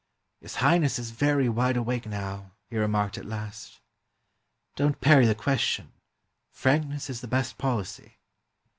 " His Highness is very wide awake now," he remarked at last. "Don't parry the question. Frankness is the best policy."